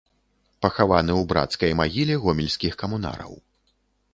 Пахаваны ў брацкай магіле гомельскіх камунараў.